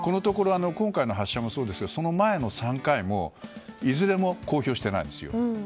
今回の発射もそうですがその前の３回もいずれも公表してないですよ。